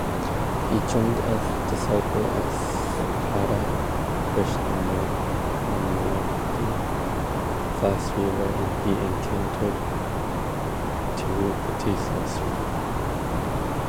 He joined as disciple at Sripada Krishnamurthi Sastry, wherein he encountered Tirupati Sastry.